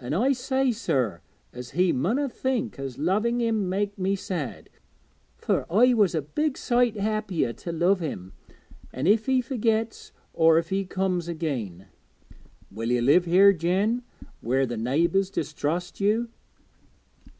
An' I said, sir, as he munna think as loving him made me sad, fur I was a big sight happier to love him, if he forgets or if he comes again.' 'Will you live here; Jen, where the neighbours distrust you?'